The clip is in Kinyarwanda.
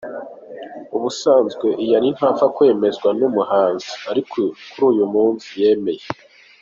Ubusanzwe Ian ntapfa kwemezwa n’umuhanzi ariko kuri uyu munsi yemeye.